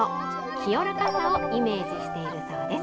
清らかさをイメージしているそうです。